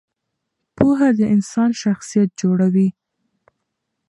پوهه د انسان شخصیت جوړوي.